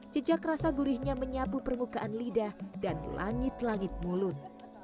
jejak rasa gurihnya menyapu permukaan lidah dan langit langit mulut